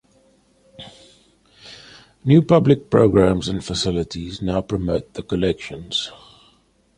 New public programmes and facilities now promote the collections.